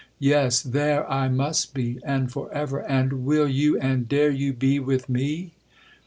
—'Yes!—THERE I must be, and for ever! And will you, and dare you, be with me?'